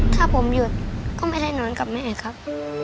ถ้าผมหยุดก็ไม่ได้นอนกับแม่ครับ